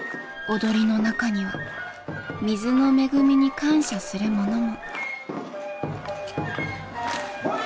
踊りの中には水の恵みに感謝するものも。